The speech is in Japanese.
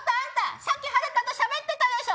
さっきハルカと喋ってたでしょ！